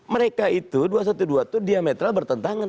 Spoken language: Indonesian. mereka itu dua ratus dua belas itu diametral bertentangan